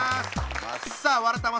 さあ「わらたま」